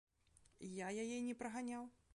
Я яе не праганяў.